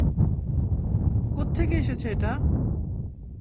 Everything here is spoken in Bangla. কোত্থেকে এসেছে এটা?